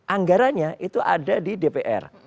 anggaranya itu ada di dpr